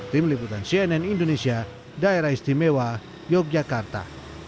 tim liputan cnn indonesia daerah istimewa yogyakarta